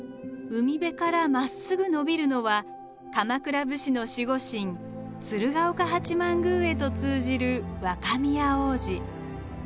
海辺からまっすぐ延びるのは鎌倉武士の守護神鶴岡八幡宮へと通じる若宮大路。